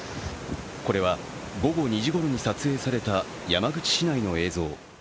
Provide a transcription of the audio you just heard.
これは午後２時ごろに撮影された山口市内の映像。